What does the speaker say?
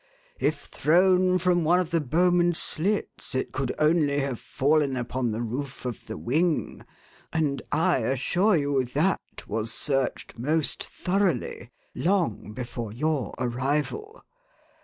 If thrown from one of the bowman's slits, it could only have fallen upon the roof of the wing, and I assure you that was searched most thoroughly long before your arrival.